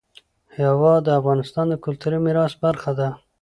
هوا د افغانستان د کلتوري میراث برخه ده.